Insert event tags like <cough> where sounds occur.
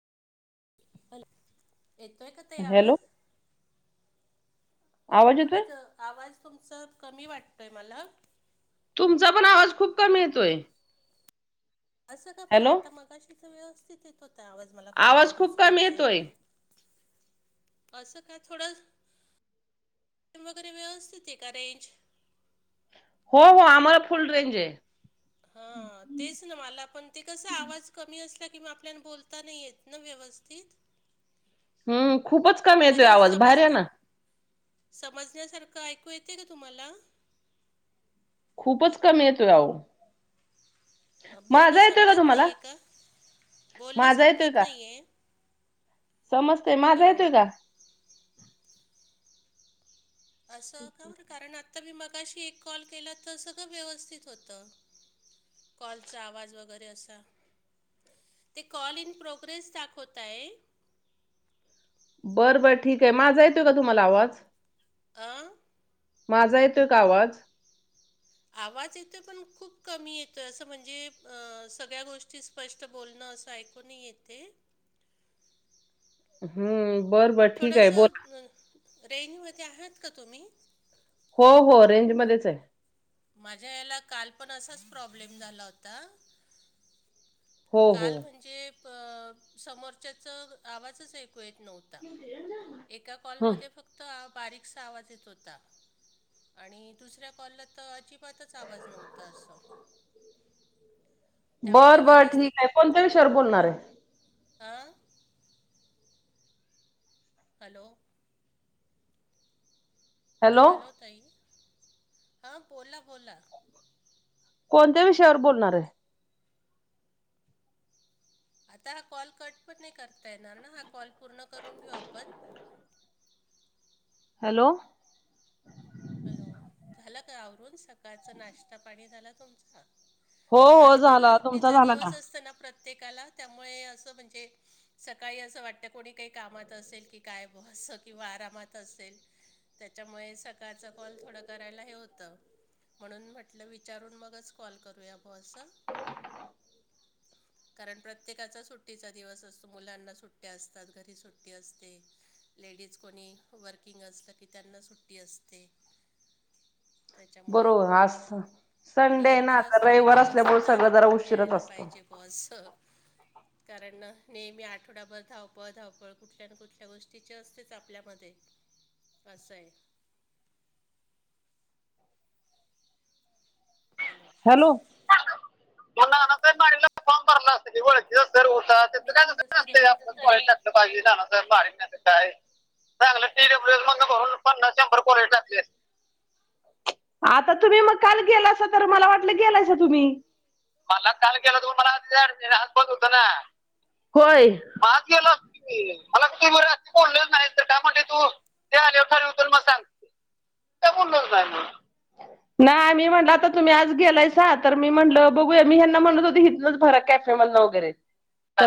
Hello! येतोय का ताई हॅलो आवाज? हॅलो! आवाज येतोय? थोड्यासा आवाज, तुमचा कमी वाटतोय मला, तुमचा पण, आवाज खूप कमी येतोय, असं का बरं, हॅलो. आता मगशी तर व्यवस्थित येत होता आवाज, मला कॉलवर आवाज खूप कमी दुसऱ्यांचा. येतोय. <unintelligible> असं काय थोडं, <unintelligible> वगैरे वेवस्तीत आहे का रेंज? हो हो आम्हाला फुल, रेंज आहे. हा, तेच ना, मला पण ते कसा आवाज कमी असला, कि मग, आपल्या बोलता नाही येत. न व्यवस्थीत, हम्म <unintelligible> खूपच कमी येतोय तरी आवाज बाहेर या समजन्या ना. समजण्यासारखं ऐकू येतय, का तुम्हाला? खूपच कमी, येतो आओ. बोलणं येतोय का समजत तुम्हाला? नाहीये का? बोलणं माझा येतोय समजत का? नाहीये? समजतय, माझा हॅलो येतोय का? असं का हो, बर कारण आत्ता मी मगाशी, एक कॉल केला तर सगळं व्यवस्थित होतं. कॉलचा आवाज, वगैरे असा. ते कॉल इन, प्रोग्रेस दाखवत आहे. बरं, बरं ठीक आहे, माझा येतोय का तुम्हाला आवाज? आं? माझा येतोय का आवाज? आवाज येतोय, पण खूप कमी येतोय, असं म्हणजे सगळ्या गोष्टी ची, स्पष्ट बोलणं असं ऐकू नाही येतय, हम्म, बरं, बरं ठीक आहे, बोला. हा, रेंज मध्ये, आहात का तुम्ही? हो, हो, रेंजमध्येच आहे. माझ्या हेला काल पण, असाच प्रॉब्लेम झाला होता. हो हो. काल म्हणजे, अ समोरच्याच आवाजच ऐकू येत नव्हता, ता, एका हं. कॉलमध्ये फक्त फक्त बारीकसा आवाज येत होता, आणि दुसऱ्या कॉलला तर अजिब बातच आवाज नव्हता असं. त्यामुळे बरं, बरं ठीक आहे. कोणत्या विशयावर बोलणार आहे? अं? हॅलो, हॅलो ताई, हां बोला बोला. कोणत्या विषयावर बोलणार आहे? आता हा कॉल कट पण नाही करता येणार ना. हा कॉल पूर्ण करून घेऊ आपण. हॅलो, हॅलो, झाला का आवरून? सकाळचं नाश्ता पाणी झाला तुमचा? हो हो आज कसं झाला तुमचा सुट्टीचा झाला का दिवस असत ना प्रत्येकाला, त्यामुळे असं म्हणजे सकाळी असं वाटतं कोणी काही कामात असेल कि काय बुवा अस. किंवा आरामात असेल. त्याच्यामुळे सकाळचा कॉल थोडं करायला हे होतं. म्हणून म्हटलं विचारून मगच कॉल करूया बुवा असं. कारण प्रत्येकाचा सुट्टीचा दिवस असतो. मुलांना सुट्ट्या असतात, घरी सुट्टी असते. लेडीज कोणी वर्किंग असलं की त्यांना सुट्टी असते. त्याच्यामुळे बरोबर. आज स संडे आणि आहे एक ना, दिवस तर तरी रविवार असल्यामुळे सगळं जरा उशीरच असतं. हो स कारण नेहमी आठवडाभर धावपळ धावपळ कुठल्या ना कुठल्या गोष्टी ची असतेच आपल्यामध्ये. असं आहे. हॅलो, हॅलो, मी थोडंसं रेंज रेंज <unintelligible> चांगलं इ डब्ल्यू एस मधनं भरून पन्नास शंभर कोलिटी टाकली असती. आता तुम्ही म काल गेला अस तर, मला वाटलं गेलासा तुम्ही. मला काल गेला तो, मला वाटलं तिड आज बंद होतं ना. होय. आज गेलो आसतो की. मला तू बर अस बोललं नाही तर काय म्हणली तू त्या आल्यावर खाली उतर म सांग. काही बोललाच नाही म. नाही मी म्हटलं आता तुम्ही आज गेलायसा तर, मी म्हटलं बघूया. मी ह्याना म्हणत होते इथनच भरा कॅफेमधन वगैरे.